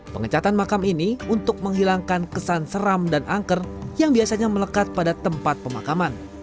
pengecatan makam ini untuk menghilangkan kesan seram dan angker yang biasanya melekat pada tempat pemakaman